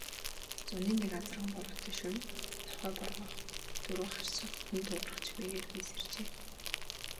Зуны нэг азарган бороотой шөнө нохой боргоох, дөрөө харших, хүн дуугарах чимээгээр би сэржээ.